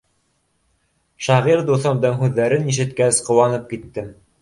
Шағир дуҫымдың һүҙҙәрен ишеткәс, ҡыуанып киттем.